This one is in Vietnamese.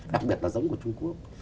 đặc biệt là giống của trung quốc